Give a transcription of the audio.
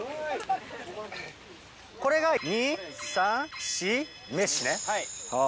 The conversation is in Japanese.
これが２、３、４、メッシね。